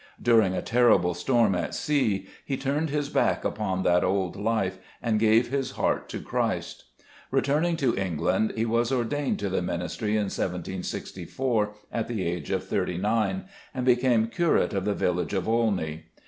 During a terrible storm at sea he turned his back upon that old life, and gave his heart to Christ. Returning to England he was ordained to the ministry in 1 764 at the age of thirty nine, and became curate of the village of Olney.